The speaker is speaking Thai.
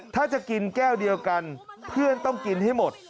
ถ้าจะกินแก้วเดียวกันเพื่อนต้องกินให้หมด